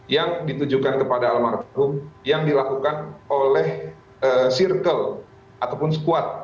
yang ditujukan kepada almarhum yang dilakukan oleh circle ataupun squad